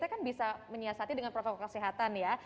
kita kan bisa menyiasati dengan protokol kesehatan ya